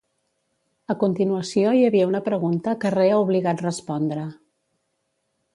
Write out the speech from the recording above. A continuació hi havia una pregunta que rea obligat respondre.